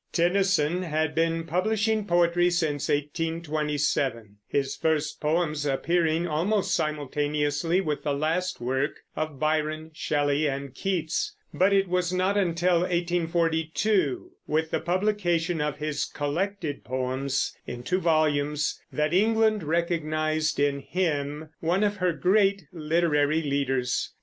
Tennyson had been publishing poetry since 1827, his first poems appearing almost simultaneously with the last work of Byron, Shelley, and Keats; but it was not until 1842, with the publication of his collected poems, in two volumes, that England recognized in him one of her great literary leaders.